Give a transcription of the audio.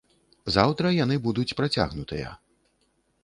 Заўтра яны будуць працягнутыя.